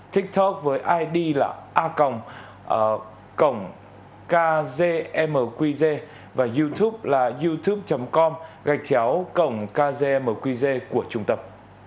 tiktok với id là a kgmqg và youtube là youtube com gạch chéo kgmqg của trung tâm